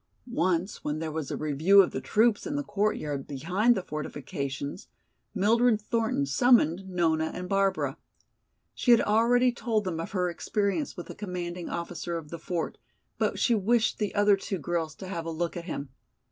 Once when there was a review of the troops in the courtyard behind the fortifications Mildred Thornton summoned Nona and Barbara. She had already told them of her experience with the commanding officer of the fort, but she wished the other two girls to have a look at him.